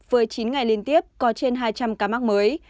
với chín ngày liên tiếp có trên hai trăm linh ca mắc mới